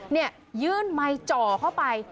นี่ยื่นไมค์จ่อเข้าไป